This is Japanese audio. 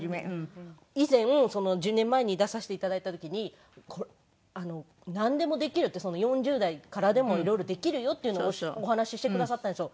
以前１０年前に出させて頂いた時になんでもできるって４０代からでも色々できるよっていうのをお話ししてくださったんですよ。